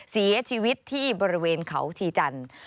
เสียชีวิตที่บริเวณเขาชีจันทร์